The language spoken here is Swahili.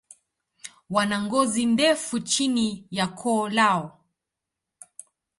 Wana ngozi ndefu chini ya koo lao.